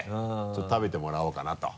ちょっと食べてもらおうかなと。